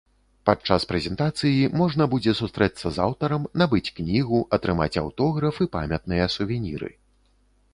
Падчас прэзентацыі можна будзе сустрэцца з аўтарам, набыць кнігу, атрымаць аўтограф і памятныя сувеніры.